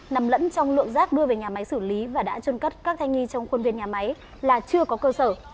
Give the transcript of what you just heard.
nằm lẫn trong lượng rác đưa về nhà máy xử lý và đã trôn cất các thanh nghi trong khuôn viên nhà máy là chưa có cơ sở